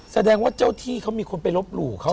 แสดงว่าเจ้าที่เขามีคนไปลบหลู่เขา